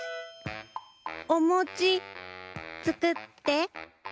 おもちつくって。